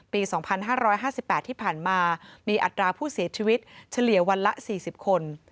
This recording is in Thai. ปี๒๕๕๘ที่ผ่านมามีอัตราผู้เสียชีวิตเฉลี่ยวันละ๔๐คน